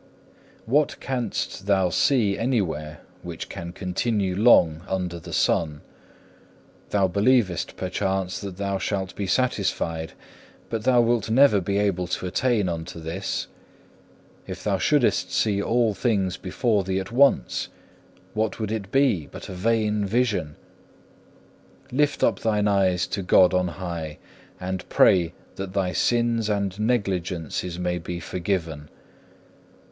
8. What canst thou see anywhere which can continue long under the sun? Thou believest perchance that thou shalt be satisfied, but thou wilt never be able to attain unto this. If thou shouldest see all things before thee at once, what would it be but a vain vision? Lift up thine eyes to God on high, and pray that thy sins and negligences may be forgiven.